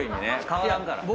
変わらんからね。